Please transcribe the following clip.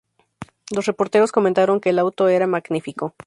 Los reporteros comentaron que el auto era "magnífico".